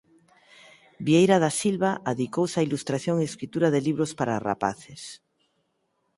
Vieira da Silva adicouse á ilustración e escritura de libros para rapaces.